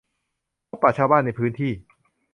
พบปะชาวบ้านในพื้นที่